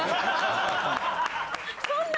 そんな！